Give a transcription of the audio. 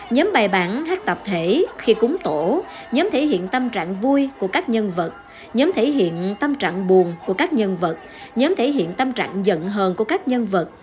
nhóm bài bản hát tập trung đều có tất cả một trăm sáu mươi ba làng điệu bài hát phân chia thành năm nhóm theo tính chất khác nhau